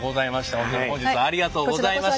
本当に本日はありがとうございました。